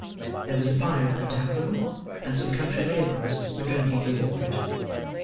There was a fire in the tap room, and some country labourers were drinking before it.